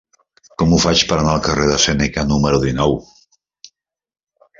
Com ho faig per anar al carrer de Sèneca número dinou?